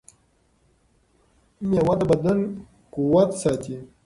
مېوه د بدن قوت ساتي.